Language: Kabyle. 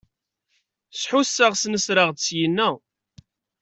Sḥusseɣ snesreɣ-d syina.